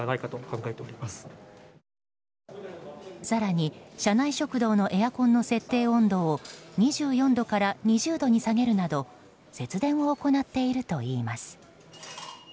更に、社内食堂のエアコンの設定温度を２４度から２０度に下げるなど節電を行っているといいます。